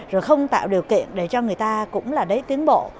rồi không tạo điều kiện để cho người ta cũng là đấy tiến bộ